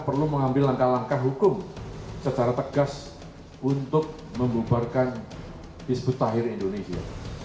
perlu mengambil langkah langkah hukum secara tegas untuk membubarkan hizbut tahir indonesia